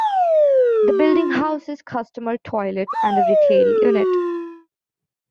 The building houses customer toilets and a retail unit.